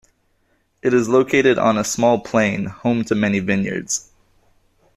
It is located on a small plain home to many vineyards.